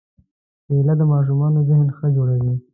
کېله د ماشومانو ذهن ښه جوړوي.